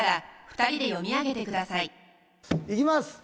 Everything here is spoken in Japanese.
行きます！